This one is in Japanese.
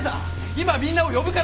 今みんなを呼ぶから！